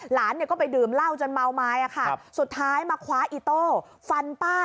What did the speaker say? หลานก็ไปดื่มเล่าจนเมาไม้สุดท้ายมาคว้าอิโต้ฟันป้า